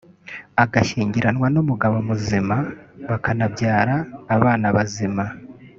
agashyingiranwa n’umugabo muzima bakanabyara abana bazima